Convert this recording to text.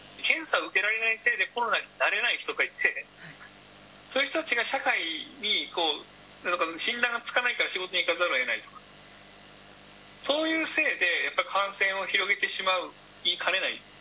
検査を受けられないせいでコロナになれない人がいて、そういう人たちが社会に診断がつかないから仕事に行かざるをえないとか、そういうせいで、やっぱり感染を広げてしまいかねない。